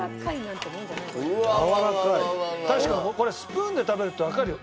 確かにこれスプーンで食べるとわかるよ。